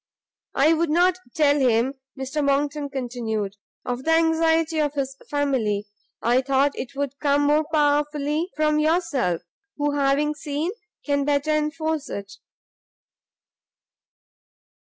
"I would not tell him," Mr Monckton continued, "of the anxiety of his family; I thought it would come more powerfully from yourself, who, having seen, can better enforce it."